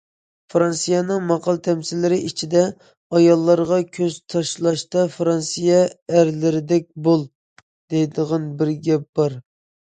فىرانسىيەنىڭ ماقال- تەمسىللىرى ئىچىدە:« ئاياللارغا كۆز تاشلاشتا فىرانسىيە ئەرلىرىدەك بول» دەيدىغان بىر گەپ بار.